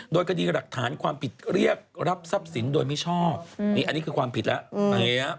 โดยคดีหลักฐานความผิดเรียกรับทรัพย์สินโดยมิชอบนี่อันนี้คือความผิดแล้ว